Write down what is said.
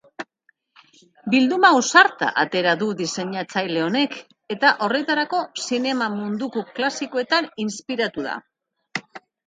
Bilduma ausarta atera du diseinatzaile honek eta horretarako zinema munduko klasikoetan inspiratu da.